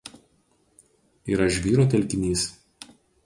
Yra žvyro telkinys.